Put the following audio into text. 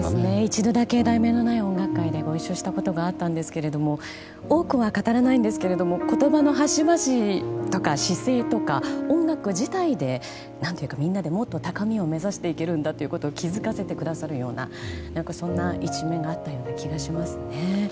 一度だけ「題名のない音楽会」でご一緒したことがあったんですが多くは語らないんですけど言葉の端々とか姿勢とか、音楽自体でみんなでもっと高みを目指していけるんだということを気づかせてくれるようなそんな一面があったような気がしますね。